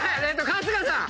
春日さん。